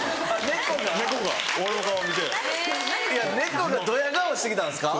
猫がドヤ顔して来たんですか？